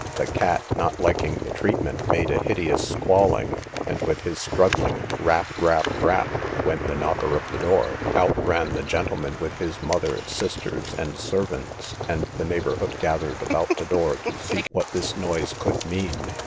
The cat, not liking the treatment, made a hideous squalling, and with his struggling, rap, rap, rap, went the knocker of the door; out ran the gentleman, with his mother, sisters, and servants, and the neighbourhood gathered about the door to see what this noise could mean.